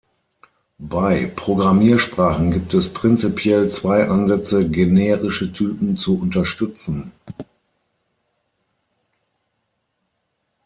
Bei Programmiersprachen gibt es prinzipiell zwei Ansätze, generische Typen zu unterstützen.